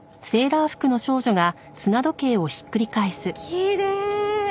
きれい！